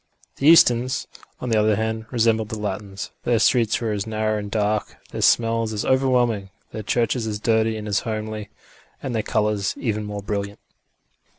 The Easterns, on the other hand, resembled the Latins; their streets were as narrow and dark, their smells as overwhelming, their churches as dirty and as homely, and their colours even more brilliant.